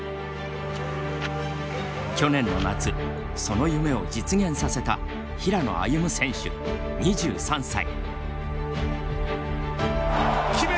去年の夏、その夢を実現させた平野歩夢選手、２３歳。